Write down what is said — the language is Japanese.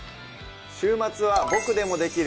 週末は「ボクでもできる！